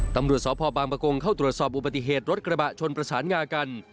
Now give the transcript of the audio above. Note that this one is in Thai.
ตำรวจสพบางประกงเข้าตรวจสอบอุบัติเหตุรถกระบะชนประสานงากัน